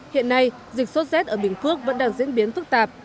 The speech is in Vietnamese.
hiện nay dịch số z ở bình phước vẫn đang diễn biến thức tạp